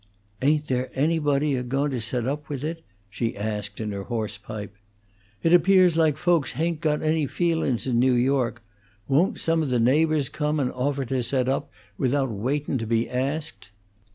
"Ain't there anybody agoin' to set up with it?" she asked, in her hoarse pipe. "It appears like folks hain't got any feelin's in New York. Woon't some o' the neighbors come and offer to set up, without waitin' to be asked?"